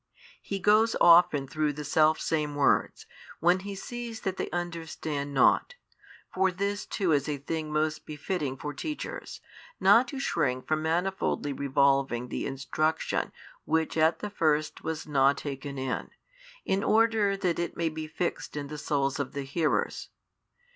He goes often through the selfsame words, when He sees that they understand nought: for this too is a thing most befitting for teachers, not to shrink from manifoldly revolving the instruction which at the first was not taken in, in order that it may be fixed in the souls of the hearers.